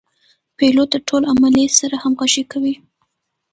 پیلوټ د ټول عملې سره همغږي کوي.